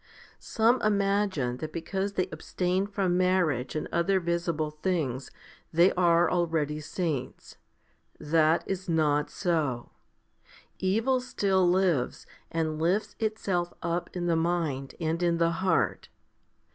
Some imagine that because they abstain from marriage and other visible things, they are already saints. That is not so. Evil still lives and lifts itself up in the mind and in the heart.